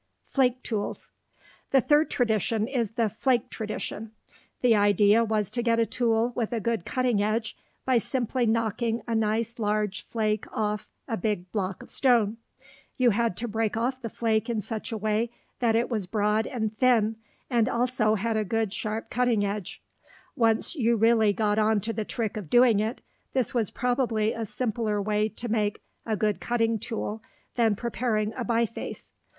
FLAKE TOOLS The third tradition is the flake tradition. The idea was to get a tool with a good cutting edge by simply knocking a nice large flake off a big block of stone. You had to break off the flake in such a way that it was broad and thin, and also had a good sharp cutting edge. Once you really got on to the trick of doing it, this was probably a simpler way to make a good cutting tool than preparing a biface.